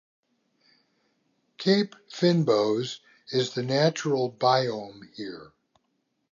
Cape fynbos is the natural biome here.